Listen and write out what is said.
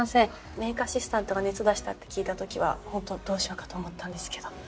メイクアシスタントが熱出したって聞いた時はホントどうしようかと思ったんですけど。